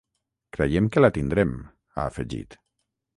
Creiem que la tindrem, ha afegit.